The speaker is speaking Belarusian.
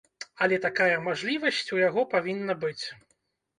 Але такая мажлівасць у яго павінна быць.